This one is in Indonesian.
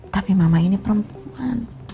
tapi mama ini perempuan